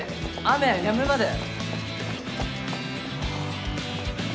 雨やむまで。